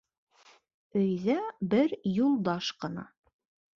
Өйҙә бер Юлдаш ҡына.